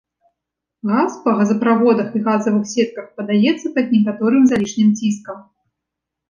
Газ па газаправодах і газавых сетках падаецца пад некаторым залішнім ціскам.